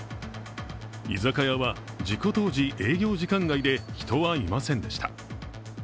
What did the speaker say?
居酒屋は事故当時、営業時間外で人はいませんでした。